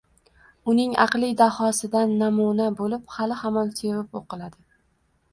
uning aqliy dahosidan namuna bo'lib hali hamon sevib o'qiladi.